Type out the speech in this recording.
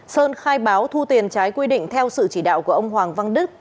sơn khai báo thu tiền trái quy định theo sự chỉ đạo của ông hoàng văn đức